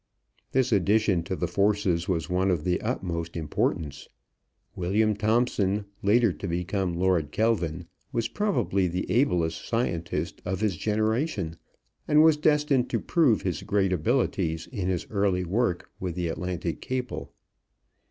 This addition to the forces was one of the utmost importance. William Thomson, later to become Lord Kelvin, was probably the ablest scientist of his generation, and was destined to prove his great abilities in his early work with the Atlantic cable.